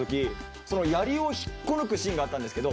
槍を引っこ抜くシーンがあったんですけど